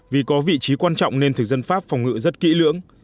vì có vị trí quan trọng nên thực dân pháp phòng ngự rất kỹ lưỡng